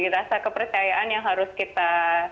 rasa kepercayaan yang harus kita